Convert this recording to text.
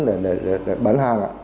để bán hàng ạ